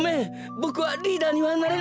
ボクはリーダーにはなれない。